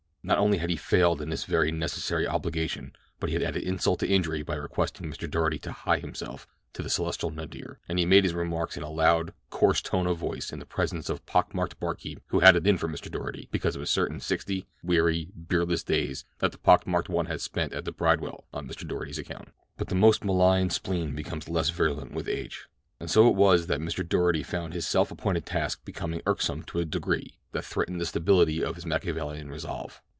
Not only had he failed in this very necessary obligation, but he had added insult to injury by requesting Mr. Doarty to hie himself to the celestial nadir; and he had made his remarks in a loud, coarse tone of voice in the presence of a pock marked barkeep who had it in for Mr. Doarty because of a certain sixty, weary, beerless days that the pock marked one had spent at the Bridewell on Mr. Doarty's account. But the most malign spleen becomes less virulent with age, and so it was that Mr. Doarty found his self appointed task becoming irksome to a degree that threatened the stability of his Machiavellian resolve.